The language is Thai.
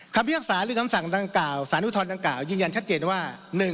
พิพากษาหรือคำสั่งดังกล่าวสารอุทธรณดังกล่าวยืนยันชัดเจนว่า